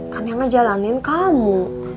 kan yang ngejalanin kamu